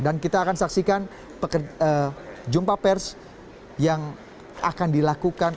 dan kita akan saksikan jumpa pers yang akan dilakukan